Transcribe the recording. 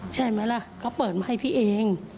ใช่ไหมล่ะเขาเปิดมาให้พี่เอง